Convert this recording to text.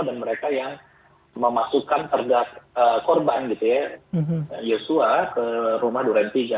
dan mereka yang memasukkan terdakwa korban gitu ya yusua ke rumah durantiga